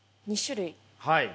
はい。